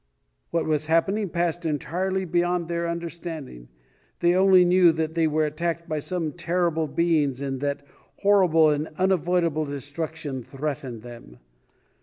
What was happening passed entirely beyond their understanding. They only knew that they were attacked by some terrible beings and that horrible and unavoidable destruction threatened them.